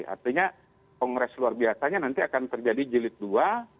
artinya kongres luar biasanya nanti akan terjadi jilid dua